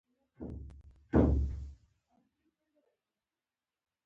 دا ګروپونه جغل ریګ سلټ او کلې دي